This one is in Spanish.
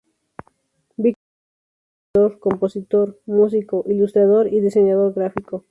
Víctor Nubla es escritor, compositor, músico, ilustrador y diseñador gráfico.